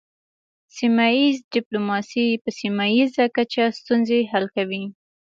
سیمه ایز ډیپلوماسي په سیمه ایزه کچه ستونزې حل کوي